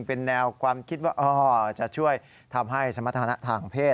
เป็นแนวความคิดว่าจะช่วยทำให้สมรรถนะทางเพศ